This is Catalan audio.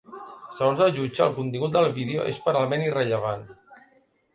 Segons el jutge, el contingut del vídeo és ‘penalment irrellevant’.